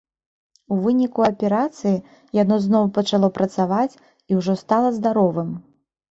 У выніку аперацыі яно зноў пачало працаваць і ўжо стала здаровым.